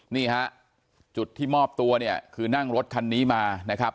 นี่ฮะจุดที่มอบตัวเนี่ยคือนั่งรถคันนี้มานะครับ